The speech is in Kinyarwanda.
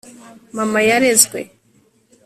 mama yarezwe